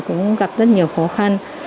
cũng gặp rất nhiều khó khăn